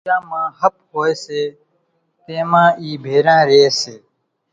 ڪوريان مان ۿپ هوئيَ سي تيمان اِي ڀيران ريئيَ سي۔